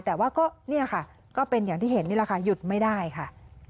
แต่ว่าก็เนี่ยค่ะก็เป็นอย่างที่เห็นนี่แหละค่ะหยุดไม่ได้ค่ะ